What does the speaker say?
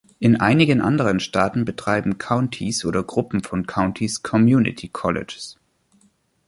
In einigen anderen Statten betreiben Countys oder Gruppen von Countys Community Colleges.